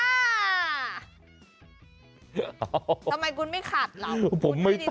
ทำไมคุณไม่ขัดเหรอ